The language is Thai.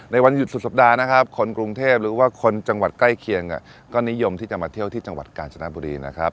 วันหยุดสุดสัปดาห์นะครับคนกรุงเทพหรือว่าคนจังหวัดใกล้เคียงก็นิยมที่จะมาเที่ยวที่จังหวัดกาญจนบุรีนะครับ